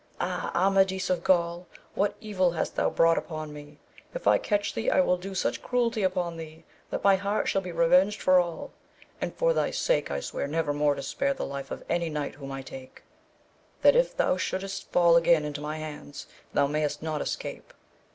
Ah, Amadis of Gaul, what evil hast thou brought upon me ! if I catch thee I will do such cruelty upon thee that my heart shall be revenged for all, and for thy sake I sware never more to spare the life of any knight whom I take, that if thou shouldst fall again into my hands thou mayest not escape.